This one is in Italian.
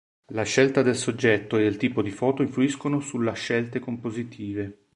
La scelta del soggetto e del tipo di foto influiscono sulla scelte compositive.